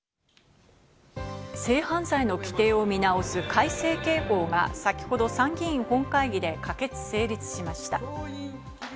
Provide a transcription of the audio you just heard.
性犯罪の規定を見直す、改正刑法が先ほど参議院本会議で可決・成立しました。